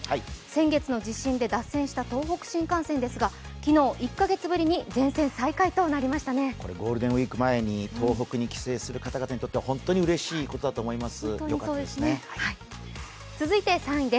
先月の地震で脱線した東北新幹線ですが、昨日、１カ月ぶりにゴールデンウイーク前に東北に帰省する方々にとっては本当にうれしいことだと思います。